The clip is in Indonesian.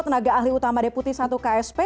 tenaga ahli utama deputi satu ksp